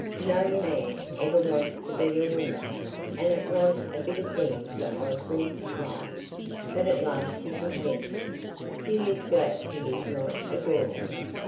No man ever wants to be a woman, and it was a bitter thing for Oswald's pride, but at last he consented. He is glad he is not a girl.